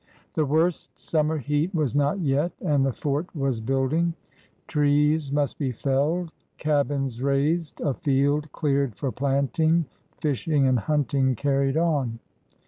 The worst smnmer heat was not yet, and the fort was building. Trees must be felled, cabins raised, a field cleared for planting, fishing and hunting carried on.